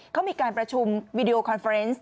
เขามีการประชุมวีดีโอคอนเฟอร์เนส